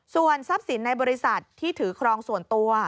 ส่วนทรัพย์สินในบริษัทที่ถือครองส่วนตัว